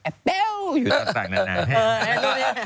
แอ๊ะเป้าอยู่ตรงนานให้